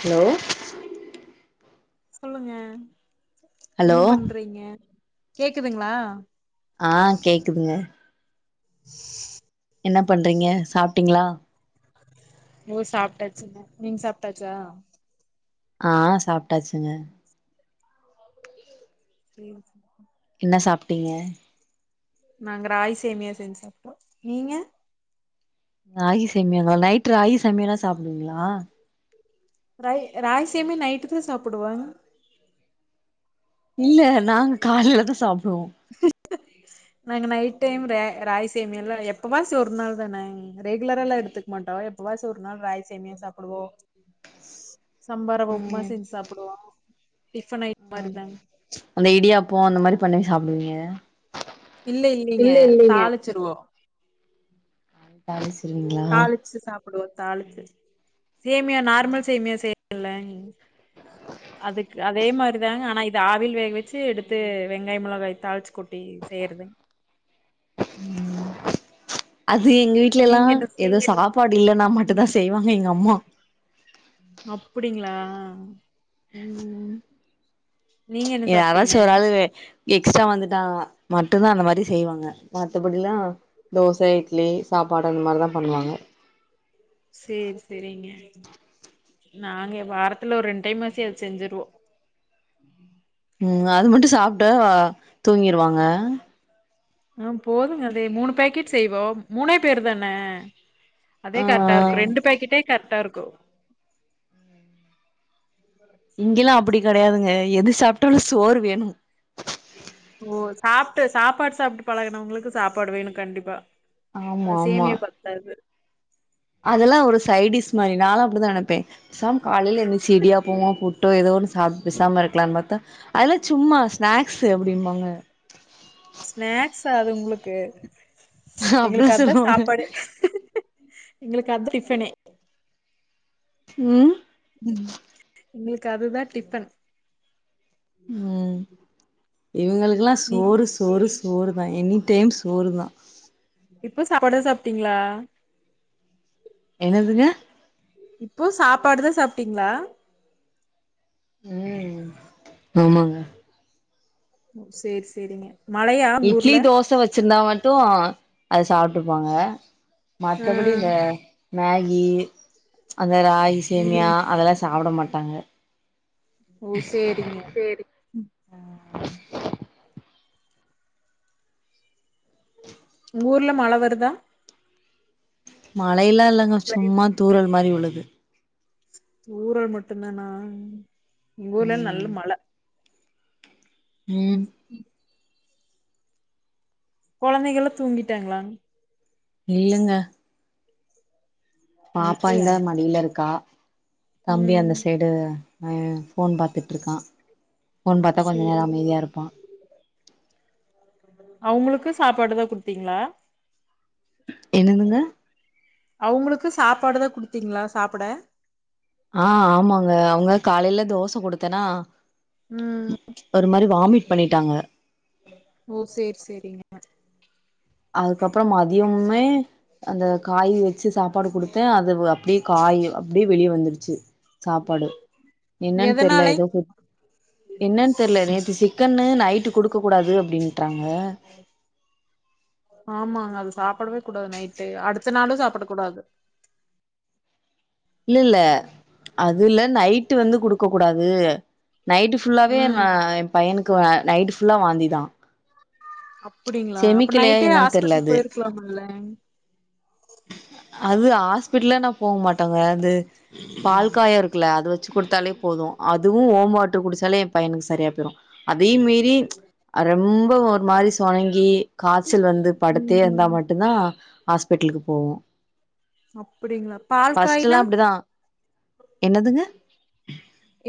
Hello சொல்லுங்க hello என்ன பண்றீங்க கேக்குதுங்ளா ஆ கேக்குதுங்க என்ன பண்றீங்க சாப்ட்டீங்ளா ஓ சாப்ட்டாச்சுங்க நீங் சாப்ட்டாச்சா ஆ சாப்ட்டாச்சுங்க ப்ரியோஜன்மா என்ன சாப்ட்டீங்க நாங்க ராகி சேமியா செஞ்சு சாப்ட்டோ நீங்க ராகி சேமியாவா நைட் ராகி சேமியால சாப்டுவீங்ளா ரை ராகிசேமியா நைட்டுக்கு சாப்புடுவங் இல்ல நாங்க கால்லைல தா சாப்டுவோ [unintelligible] நாங்க நைட் டைம் ரை ராகி சேமியால்லா எப்போவாச்சி ஒரு நாள் தான ரெகுலரலா எடுத்து மாட்டோ எப்பவாச்சு ஒரு நாள் ராகி சேமியா சாப்டுவோ சம்பா ரவ உப்புமா செஞ்சு சாப்டுவோ டிஃபன் ஐட் மாரி தாங் அந்த இடியாப்போ அந்த மாரி பண்ணி சாப்டுவீங்க இல்ல இல்லிங்க இல்ல இல்லைங்க தாளிச்சிருவோ தாளிச்சிருவீங்ளா தாளிச்சு சாப்டுவோ தாளிச்சு சேமியா நார்மல் சேமியா செய்றோல அதுக் அது அதே மாரிதாங்க ஆனா இது ஆவில் வேக வச்சு எடுத்து வெங்காயம்ல தாளிச்சு கொட்டி செய்யறதுங் ம் அது எங்க வீட்ல எல்லா நீங்க என்ன எதோ சாப்பாடு இல்லனா மட்டு தா ம் செய்வாங்க எங்க அம்மா அப்டிங்களா நீங்க என்ன சாப்ட்டீங்க யாராச்சி ஒரு ஆளு வே எக்ஸ்ட்ரா வந்துட்டா மட்டுந்தான் அந்த மாரி செய்வாங்க மத்தபடில்லா தோச இட்லி சாப்பாடு அந்த மாரிதான் பண்ணுவாங்க சேர் சரிங்க நாங்க வாரத்துல ஒரு ரெண்ட்டைம் மாசி அத செஞ்சருவோம் ம் அது மட்டும் சாப்ட்டா வா தூங்கிருவாங்க ஆ போதுங்க அதே மூணு பேக்கெட் செய்வோ மூணே பேரு தான அதே ஆ கரெட்டா இருக்கும் ரெண்டு பேக்கெட்டே கரெட்டா இருக்கும் இங்கெல்லாம் அப்டி கிடையாதுங்க எது சாப்ட்டாலு சோறு வேணும் ஓ சாப்ட்டு சாப்பாடு சாப்ட்டு பழகனவங்களுக்கு சாப்பாடு வேணு கண்டிப்பா ஆமா அ ஆமா சேமியா பத்தாது அதெல்லா ஒரு சைடிஸ் மாரி நால்லா அப்டிதா நெனப்பே பேசாம காலைல எந்திச்சு இடியாப்பமா போட் ட்டோ ஏதோன்னு சாப்ட் பெசாம இருக்கலான் பாத்தா அதெல்லா சும்மா ஸ்நாக்ஸ்சு அப்டிம்பாங்க ஸ்நாக்ஸ்சா அது உங்களுக்கு அப்டிதா எங்களுக்கு அதான் சொல்லுவாங்க சாப்பாடே எங்களுக்கு அதான் டிஃபனே ம் ம் எங்களுக்கு அதுதா டிஃபன் ம் இவுங்கல்கெலா நீ சோறு சோறு சோறு தா எனிடைம் சோறு தா இப்ப சாப்பாடுதா சாப்ட்டீங்ளா என்னதுங்க இப்பவு சாப்பாடுதா சாப்ட்டீங்களா ம் ஆமாங்க ஒ சேரி சேரிங்க மழையா உங்க இட்லி ஊர்ல தோச வச்சிருந்தாவாட் ட்டும் அத சாப்ட்டுருப்பாங்க ஆ மத்தபடி இந்த மேகி அந்த ராகி சேமியா ம் அதெல்லா சாப்ட மாட்டாங்க ஓ சேரிங்க ஆ உங்க ஊர்ல மழ வருதா மழையல்லா இல்லங்க சும்மா கிளைமேட் தூரல் மாரி விழுது தூரல் மட்டுந்தானா எங்க ஊர்ல நல்ல ம் மழ ம் [inaudible] கொழந்தைகல்லா தூங்கிட்டாங்ளா இல்லங்க பாப்பா இல்லையா இந்தா மடியில இருக்கா தம்பி ம் அந்த சைடு உம் ஃபோன் பாத்துட்ருக்கா ஃபோன் பாத்தா கொஞ்ச சேரி நேரோ [inaudible] அமைதியா இருப்பா அவுங்களுக்கு சாப்பாடு தா குடுத்தீங்களா என்னதுங்க அவுங்களுக்கு சாப்பாடு தா குடுத்தீங்களா சாப்ட ஆ ஆமாங்க அவங்க காலையில தோச குடுத்தேனா ம் ஒரு மாரி வாமிட் பண்ணிட்டாங்க ஓ சேரி சேரிங்க அதுக்கப்புறம் மதியமுமே அந்த காய் வச்சு சாப்பாடு குடுத்தேன் அது அப்டியே காய் அப்டியே வெளிய வந்துடுச்சு சாப்பாடு என்னன்னு தெரியல எதனாலை ஏதோ என்னன்னு தெரியல நேத்து சிக்கனு நைட்டு் குடுக்க கூடாது அப்டிடாங்க.. ஆமாங்க அது சாப்டவே கூடாது நைட்டு, அடுத்த நாளு சாப்ட கூடாது. இல்ல இல்ல அது இல்ல நைட்டு் வந்து குடுக்க கூடாது. நைட்டு ஃபுல்லாவே ம் எ பையனுக்கு நைட்டு் ஃபுல்லா வாந்திதா அப்டிங்களா அப்ப செமிக்கலையா நைட்டே என்னன்னு தெர்ல ஹாஸ்பிடல் அது போயிருக்கலாம்ல. அது ஹாஸ்பிட்டல்லே நா போக மாட்டாங்க அது. பால காயம் இருக்குல்ல அது வச்சு குடுத்தாலே போதும். அதுவும் ஓமம் வாட்டரு குடிச்சாலே என் பையனுக்கு சரியா போயிடும். அதையும் மீறி ரொம்ப ஒரு மாதிரி சுணங்கி காய்ச்சல் வந்து.. படுத்தே இருந்தா ம் மட்டுந்தா ஹாஸ்பிட்டலுக்கு போவோ. அப்டிங்களா பால் ஃபஸ்ட் எல்லா காய்னா அப்டிதா. என்னதுங்க?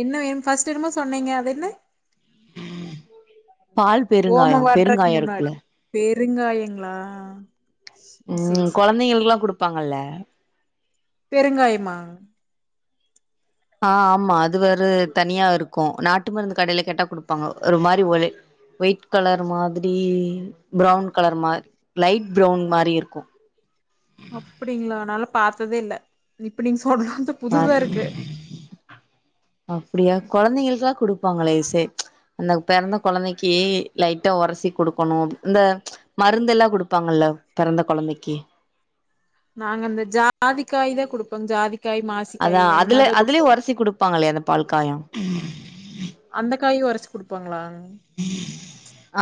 என்ன என் ஃபர்ஸ்ட் என்னமோ சொன்னீங்க அது என்ன? [unintelligible] பால் ஓம பெருங்காயம் வாட்றக்கு பெருங்காயம் முன்னாடி. இருக்குல்ல பெருங்காயங்ளா உம்.. கொழந்தைங்களுக்கெல்லா குடுப்பாங்கல்ல.. பெருங்காயமா? ஆ ஆமா அது வேற தனியா இருக்கும் நாட்டு மருந்து கடையில கேட்டா குடுப்பாங்க. ஒரு மாரி ஒய் ஒயிட் கலர் மாதிரி ப்ரவுன் கலர் மாதிரி லைட் பிரவுன் மாரி இருக்கும். அப்டிங்களா நாளா பாத்ததே இல்ல இப்ப நீங்க சொல்றது அ புதுசா இருக்கு அப்டியா கொழந்தைங்களுக்குல்லா குடுப்பாங்களே இசை அந்த பெறந்த கொழந்தைக்கு லைட்டா ஒரசி குடுக்கணும் இந்த மருந்தெல்லா குடுப்பாங்கல்ல பெறந்த கொழந்தைக்கி நாங்க அந்த ஜாதிக்காய்தா குடுப்போ ஜாதிக்காய் மாச் அதா மாசிக்காய் அதுல அதுலயூ ஒரசி குடுப்பாங்கலே அந்த பால் காயம் அந்த காயும் ஒரசி குடுப்பாங்களா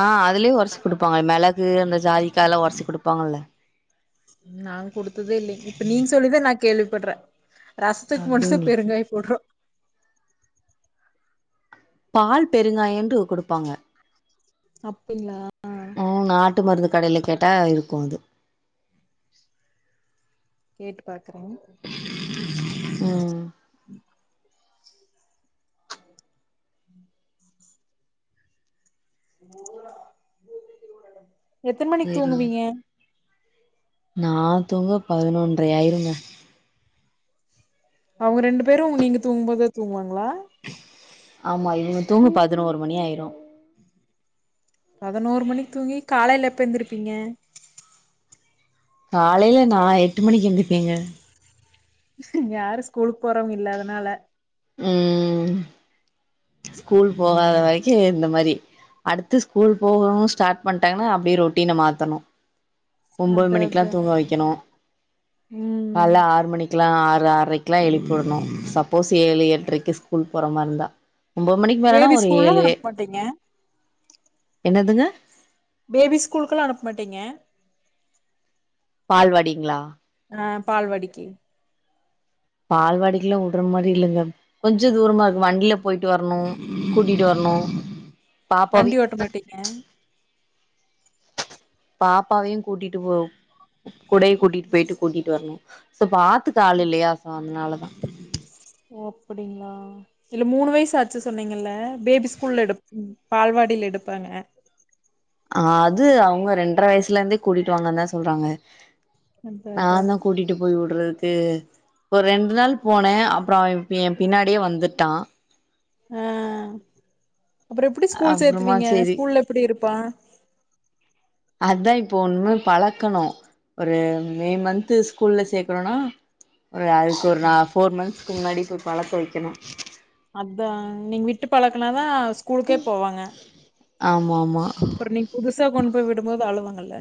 ஆ அதுலயே ஒரசி குடுப்பாங்க மெளகு அந்த ஜாதிக்கால்லாம் ஒரசி குடுப்பாங்கல்ல நா குடுத்ததே இல்லங் இப்ப நீங்க சொல்லிதா நா கேள்வி படுற ரசத்துக்கு மட்டு தா அப்டிங்களா பெருங்காயே போடுவ பால் பெருங்காயம்டு ஒன்னு கொடுப்பாங்க. அப்டிங்களா ம் நாட்டு மருந்து கடையில கேட்டா இருக்கு இது கேட்டு பாக்குறே ம் எத்ன மணிக்கு சேரிங்க தூங்குவீங்க நா தூங்க பதினொன்றை ஆயிருங்க அவுங்க ரெண்டு பேரு நீங்க தூங்குபோதே தூங்குவாங்களா ஆமா இவுங்க தூங்க பதினோரு மணியயிரு பதினோரு மணிக்கு தூங்கி காலைல எப்போ ஏந்திருப்பீங்க காலைல நா எட்டு மணிக்கு ஏந்திருப்பேங்க யாரு ஸ்கூலுக்கு போறவங்க இல்ல அதுனால ம் ஸ்கூல் போகாத வரைக்கு இந்த மாரி அடுத்து ஸ்கூல் போகணு ஸ்டார்ட் பண்ணிட்டாங்கனா அப்டியே ரோடினா மாத்தணு ஒன்பது அதா மணிகொல்லா அதா தூங்க வைக்கணு ம் கால்ல ஆறு மணிக்கு ஆறு ஆறரைக்ககொல்லா எழுப்பிவுடணு சப்போஸ் ஏழு எட்டரைக்கு ஸ்கூல் போற மாரி இருந்தா ஒன்பது மணிக்கு மேலேனா பேபி ஒரு ஸ்கூல்லா ஏழு [unintelligible] என்னதுங்க பேபி ஸ்கூலுக்கொல்லா அனுப்ப மாட்டீங்க பால்வாடிங்களா ஆ பால்வாடிக்கு பால்வாடிகொல்லா விடுற மாரி இல்லங்க கொஞ்சோ தூரமா இருக்கு வண்டியில போயிட்டு வரணு கூட்டிட்டு வரணு பாப்பாவையு வண்டி ஓட்ட மாடீங்க பாப்பாவையு கூட்டிட்டு போ கூடையே கூட்டிட்டு போயிட்டு கூட்டிட்டு வரணு சோ பாத்து க்க ஆள் இல்லையா சோ அதுனாலதா ஓ அப்புடிங்ளா இல்ல மூணு வயசு ஆச்சு சொன்னீங்கல்ல பேபி ஸ்கூல்ல எடுப் பால்வாடில எடுப்பாங்க அ அது அவுங்க ரெண்ட்ர வயசுலந்தே கூட்டிட்டு வாங்கன்னு தா சொல்றாங்க அதா அதா நான் தா கூட்டிட் டு போய் வுடுறதுக்கு ஒரு ரெண்டு நாள் போனே அப்றோ ஏ என் பின்னாடியே வந்துட்டா அ அப்றோ எப்டி ஸ்கூல் அப்புறமா சேத்துவீங்க சேரி ஸ்கூல்ல எப்புடி இருப்பா அதா இப்போ ஒண்ணுமே பழக்கணு ஒரு மே மந்து ஸ்கூல்ல சேர்கனுனா ஒரு அதுக்கு ஒரு நா ஃபோர் மந்த்ஸ்க்கு முன்னாடி பழக்க வைக்கணு அதா நீங்க விட்டு பழக்குனாதா ஸ்கூலுக்கே போவாங்க ஆமா ஆமா நீங் புதுசா கொண்டு போய் விடும்போது அழுவாங்கல்ல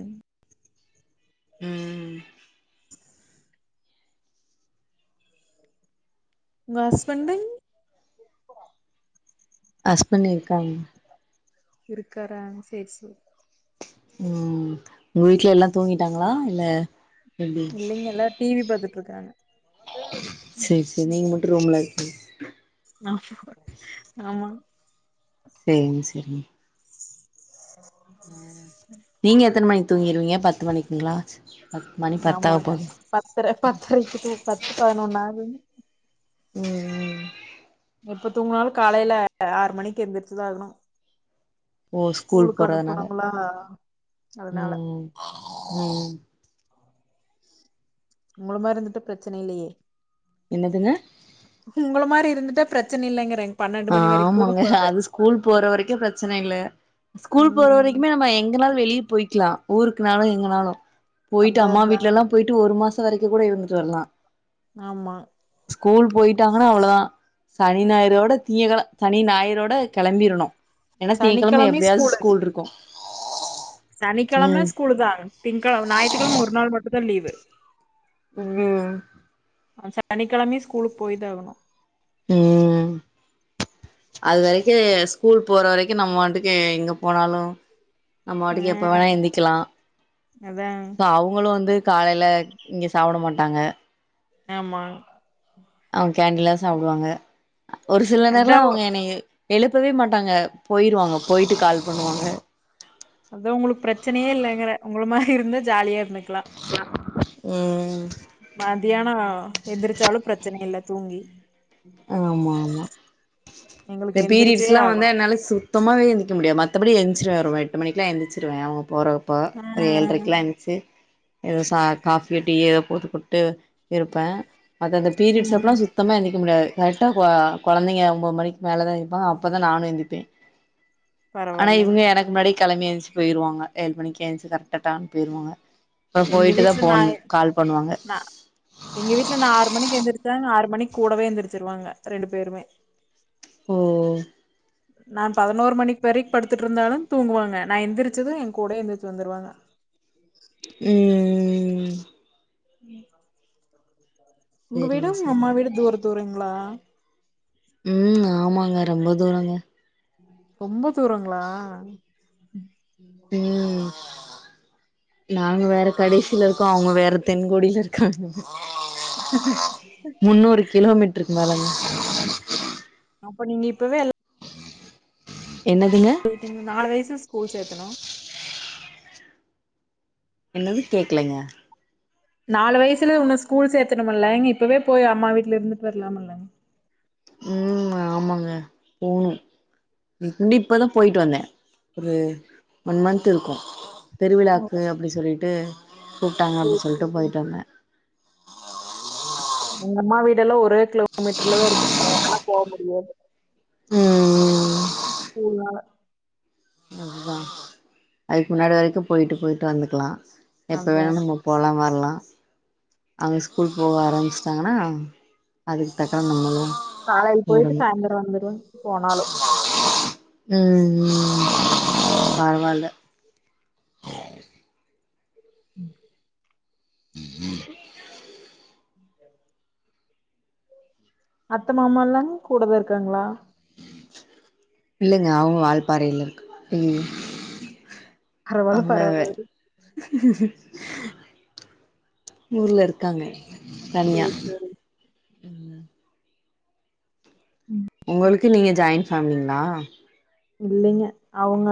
ம் உங்க ஹஸ்பெண்டிங் ஹாஸ்பண்ட் இருக்காங்கக இருக்காரா சேரி சேரி ம் உங்க வீட்ல எல்லா தூங்கிடாங்களா இல்ல எப்டி இல்லைங்க எல்லா டி வி பாத்துட்டு இருக்காங்க செரி செரி நீங்க மட்டும் ரூம்ல இருக் ஆமா செரிங்க செரிங்க. [unintelligible] நீங்க எத்துன மணிக்கு தூங்கிருவீங்க பத்து மணிக்குங்களா பத் மணி பத்தாக ஆமாங்க போது பத்தர பத்தரைக்கி தூங் பத்து பதினொன்னு ஆகுங்க ம் ம் எப்ப தூங்குனாலு காலையில ஆறு மணிக்கு எந்திரிச்சு தா ஆகணு ஓ ஸ்கூல் ஸ்கூலுக்கு போறதுனால அனுப்பனுங்களா அதனால ம் ம் உங்களமாரி இருந்துட்டா பிரச்சன இல்லையே என்னதுங்க உங்கள மாரி இருந்துட்டா பிரச்சன இல்லங்கிறே ஆமாங்க அது ஸ்கூல் போற வரைக்கு பிரச்சன இல்ல ஸ்கூல் போற ம் வரைக்குமே நம்ம எங்கனாலு வெளிய போய் க்கலா ஊருக்குனாலு எங்கனாலு போயிட்டு அதா அம்மா அதா வீட்டுலல்லா போயிட்டு ஒரு மாசம் வரைக்கும் கூட இருந்துட்டு வரலா ஆமா ஸ்கூல் போயிட்டாங்கன்னா அவ்ளதா சனி ஞாயிரோட திங்ககெழ சனி ஞாயிரோட கெளம்பிரணு ஏன்னா திங்கெழம சனிக்கெழமையு எப்படியாது ஸ்கூலு ஸ்கூல் இருக்கு சனிக்கெழம ம் ஸ்கூல் தா திங்கெழ ஞாய்த்து கெழம ஒரு நாள் மட்டும் தா லீவு ம் ஆ சனிக்கெழமயு ஸ்கூலு போய்தா ஆகணு ஹ ம் [unintelligible] அது வரைக்கு ஸ்கூல் போற வரைக்கு நம்ம பாட்டுக்கு எங்க போனாலு நம்ம ஆ வாட்டுக்கு எப்போ வேணா எந்திக்கலா அதா இப்ப அவங்களு வந்து காலையில இங்க சாப்ட மாட்டாங்க ஆமா அவுங்க கேண்டின்ல சாப்டுவாங்க ஒரு சில அதா நேரம்லா அவுங்க என்னைய எழுப்பவே மாட்டாங்க போயிருவாங்க போயிட்டு கால் பண்ணுவாங்க அத உங்களுக்கு பிரச்சனையே இல்லைங்கிற உங்கள மாரி இருந்தா ஜாலியா இருந்துக்கலா ம் மத்தியானோ எந்திரிச்சாலு பிரச்சனை இல் தூங்கி ஆமா ஆமா இந்த எங்களுக்கு பீரியட்ஸ் எந்திரிச்சே எல்லா வந்த ஆகணு என்னால சுத் சுத்தமாவே எந்திக்க முடிய மத்தபடி என்றிசுவே ஒரு எட்டு மணிகுல என்றிசுவே அவங்க போர இப்போ ஆ ஒரு ஆ ஏழுட்ரைகெல்லா எந்திசு ஏதோ சா காஃபிய டீ ஏதோ போட்டு கொடுத்துட்டு இருப்பே அந்த பீரியட்ஸ் ம் அப்பல்லா சுத் சுத்தமா எந்திக்க முடியாது கரெக்டா கொ கொழந்தைங்க ஒன்ம்பது மணிக்கு மேலே தா இருப்பாங்க அப்போ தா நானுயெந்திப்பே ஆனா பரவாயில்லைங் இவங்க எனக்கு முன்னாடி கெளம்பி எழுந்திச்சு போயிருவாங்க ஏழு மணி எந்திதிசு கரெக்டா டானு போயிருவாங்க. அப்புறோ எங்க போயிட்டு தா வீட்ல நா போன் கால் பண்ணுவாங்க. இல்ல நா ஆறு மணிக்கு எந்திரச்சாங்க ஆறு மணிக்கு கூடவே எந்திரிச்சிருவாங்க ரெண்டு பேருமே ஓ நான் பதினோரு மணிக்கு வரைக்கு படுத்துட்டு இருந்தாலு தூங்குவாங்க நா எந்திரிசது என் கூடயே எந்துருச்சு வந்துருவாங்க ம் ம் [unintelligible] உங்க செரிங்க வீடும் உங்க அம்மா செரிங்க வீடும் தூர தூரங்களா ம் ஆமாங்க ரொம்ப தூரங்க ரொம்ப தூரங்ளா ம் நாங்க வேற கடேசில இருக்கோ அவுங்க வேற தென்கோடில இருக்காங்க [unintelligible] முன்னூறு கிலோமீட்ருக்கு மேலங்க அப்ப நீங்க இப்பவே எல்லா என்னதுங்க இதுக்கு நாலு வயசு ஸ்கூல் சேத்தனு என்னது கேக்கலங்க நாலு வயசுல இவன ஸ்கூல் சேகணுமில்லலைங்க இப்பவே போய் அம்மா வீட்டுல இருந்துட்டு வரலாமல்ங்க ம் ஆமாங்க போணும் இப்பதா போயிட்டு வந்தேன் ஒரு ஒன் மந்த்த் இருக்கு பெருவிழாக்கு அப்டி சொல்லிட்டு கூப்ட்டாங்க ஓ சேரி அப்டி சொல்ட்டு சேரி போய்டட்டு வந்த எங்க அம்மா வீடல்லா ஒரே கிலோமீட்டர்லதா இருக்கு ஆனா போ முடியாது இல்ல அதுதா அதுக்கு முன்னாடி வரைக்கு போயிட்டு போயிட்டு வந்துக்கலாம் எப்ப அதா வேணுமோ நம்ம போலா வரலா அவங்க ஸ்கூல் போக ஆரம்பமிச்சட்டாங்கன்னா அதுக்கு தக்க நம்மலா காலேல போயிட்டு சாயந்தரம் வந்துருவே போனாலும் ம் ம் பரவால்ல [unintelligible] [unintelligible] [inaudible] அத்த மாமால்லாங்க கூடதா இருக்காங்களா இல்லங்க அவங்க வால்பாரல இருக்காங்க பரவாயில்ல அங்க பரவாயில்ல ஊர்ல இருக்காங்க தனியா ம் சரி ம் உங்களுக்கு நீங்க ஜாயின்ட் ஃபேமிலிங்களா இலலிங்க அவங்க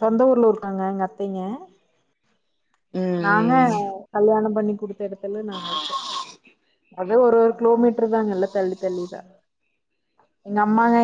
சொந்த ஊரல இருக்காங்க எங்க அத்தைங்க நாங்க ம் ம் கல்யாணம் பண்ணி குடுத்த எடத்துல நாங்க இருக்கோம் அது ஒரு ஒரு கிலோமீட்டர் தாங்கல்ல தள்ளி தள்ளிதா எங்க அம்மாங்க